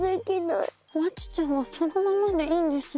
まちちゃんはそのままでいいんです。